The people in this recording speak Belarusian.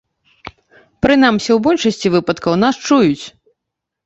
Прынамсі, у большасці выпадкаў нас чуюць!